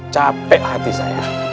capek hati saya